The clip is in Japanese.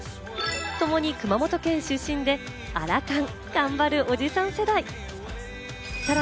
ともに熊本県出身でアラ還、頑張るオジサン世代。